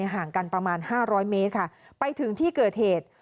ห่างกันประมาณ๕๐๐เมตรค่ะไปถึงที่เกิดเหตุ